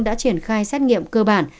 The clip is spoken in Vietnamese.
đã triển khai xét nghiệm cơ bản